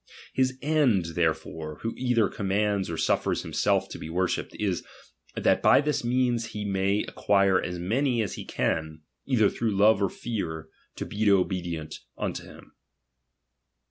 His end therefore, who either commands or suffers himself to be worshipped, is, that by this means he may acquire as many as he can, either through love or fear, to he obedient unto him.